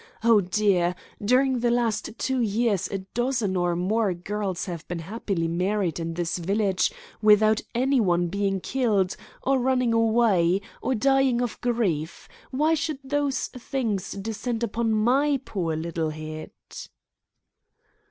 Oh, dear! During the last two years a dozen or more girls have been happily married in this village without any one being killed, or running away, or dying of grief. Why should those things descend upon my poor little head?"